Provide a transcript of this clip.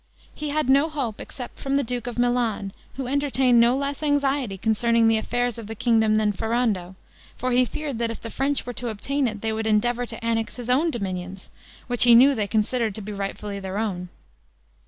He had no hope except from the duke of Milan, who entertained no less anxiety concerning the affairs of the kingdom than Ferrando; for he feared that if the French were to obtain it, they would endeavor to annex his own dominions; which he knew they considered to be rightfully their own.